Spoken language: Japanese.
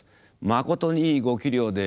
まことにいいご器量で。